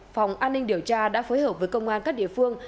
phòng an ninh điều tra đã phối hợp với công an các địa phương